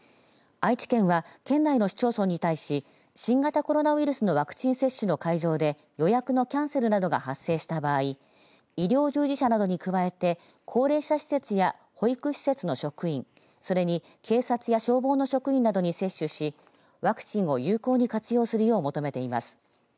愛知県は、県内の市町村に対し新型コロナウイルスのワクチン接種の会場で予約のキャンセルなどが発生した場合医療従事者などに加えて高齢者施設や保育施設の職員それに警察や消防の職員などに接種しワクチンを有効に活用するよう求めています。